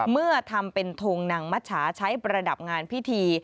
เมื่อทำเป็นทงนางมัชชาใช้ประดับงานพิธี